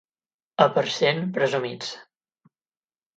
A Parcent, presumits.